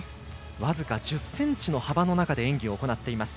僅か１０ｃｍの幅の中で演技を行っています。